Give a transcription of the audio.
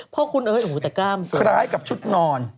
พ่อคุณเอ๊ะแต่กล้ามเสื้อ